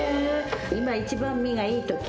今一番、身がいいとき。